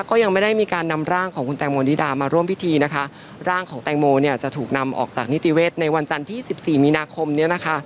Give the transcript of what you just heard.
ก็ยังไม่ได้มีการนำร่างของคุณแตงโมนิดามาร่วมพิธีนะคะร่างของแตงโมเนี่ยจะถูกนำออกจากนิติเวศในวันจันทร์ที่สิบสี่มีนาคมเนี้ยนะคะ